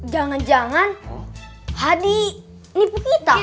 jangan jangan hadi nipu kita